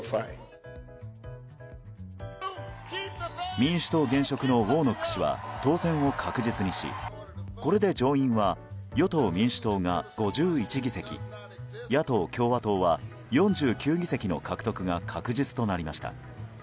民主党現職のウォーノック氏は当選を確実にしこれで上院は与党・民主党が５１議席野党・共和党は４９議席の獲得が確実となりました。